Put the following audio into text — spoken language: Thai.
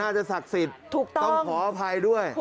น่าจะศักดิ์สิทธิ์ต้องขออภัยด้วยถูกต้อง